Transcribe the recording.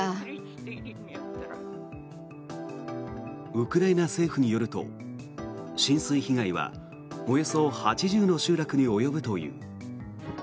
ウクライナ政府によると浸水被害はおよそ８０の集落に及ぶという。